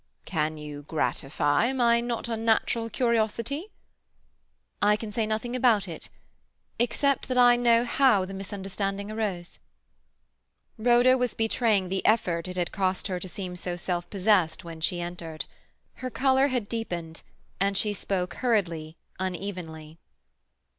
"Can you gratify my not unnatural curiosity?" "I can say nothing about it, except that I know how the misunderstanding arose." Rhoda was betraying the effort it had cost her to seem so self possessed when she entered. Her colour had deepened, and she spoke hurriedly, unevenly.